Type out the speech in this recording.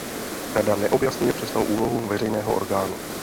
Rada neobjasňuje přesnou úlohu veřejného orgánu.